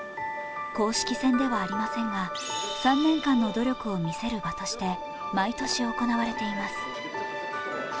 公式戦ではありませんが３年間の努力を見せる場として毎年行われています。